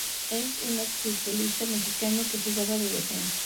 Es un ex-futbolista mexicano que jugaba de Defensa.